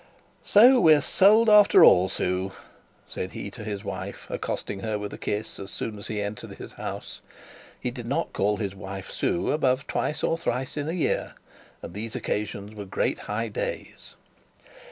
'So we're sold after all, Sue,' said he to his wife, accosting her with a kiss as soon as he entered his house. He did not call his wife Sue above twice or thrice in a year, and these occasions were great high days.